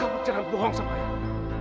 kamu jangan bohong sama ayah